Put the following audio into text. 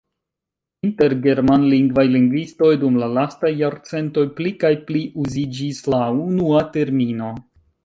Inter germanlingvaj lingvistoj dum la lastaj jarcentoj pli kaj pli uziĝis la unua termino.